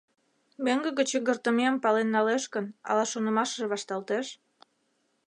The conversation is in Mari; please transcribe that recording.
Мӧҥгӧ гыч йыҥгыртымем пален налеш гын, ала шонымашыже вашталтеш?